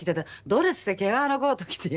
ドレスで毛皮のコート着てよ？